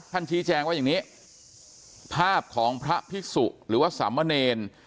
ชี้แจงว่าอย่างนี้ภาพของพระพิสุหรือว่าสามเณร